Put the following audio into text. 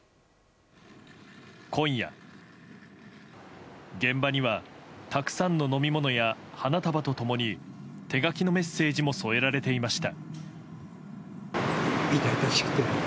今夜、現場にはたくさんの飲み物や花束と共に手書きのメッセージも添えられていました。